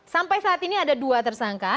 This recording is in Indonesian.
sampai saat ini ada dua tersangka